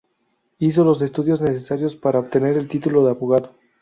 Hizo los estudios necesarios para obtener el título de abogado.